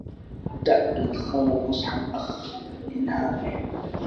دع الخمر نصح أخ إنها